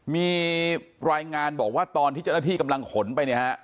มีรายงานบอกว่าตอนที่เจ้าหน้าที่กำลังขนไปเนี่ยฮะ